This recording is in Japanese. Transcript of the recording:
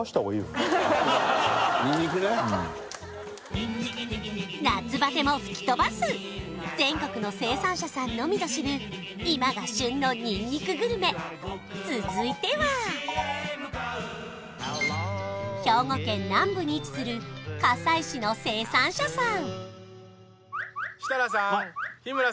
にんにくねうん夏バテも吹き飛ばす全国の生産者さんのみぞ知る今が旬のにんにくグルメ続いては兵庫県南部に位置する加西市の生産者さん